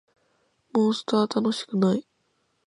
モンストは楽しくない